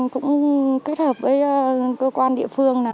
cũng kết hợp với cơ quan địa phương